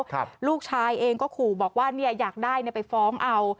ครับลูกชายเองก็ขู่บอกว่าเนี่ยอยากได้เนี่ยไปฟ้องเอา